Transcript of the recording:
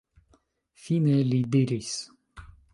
Fine li diris: